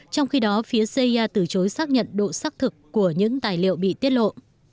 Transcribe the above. trong khi đó phía cia từ chối xác nhận độ xác thực của những tài liệu bị tiết lộ